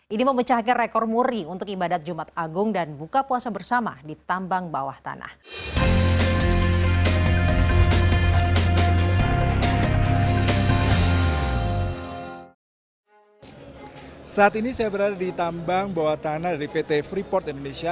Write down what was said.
ini memecahkan rekor muri untuk ibadat jumat agung dan buka puasa bersama di tambang bawah tanah